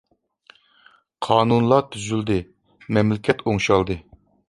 قانۇنلا تۈزۈلدى مەملىكەت ئوڭشالدى.